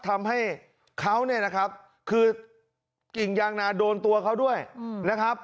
ทำให้เขาเนี่ยนะครับคือกิ่งยางนาโดนตัวเขาด้วยนะครับ